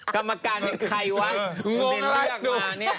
กรรมการยังใครวะ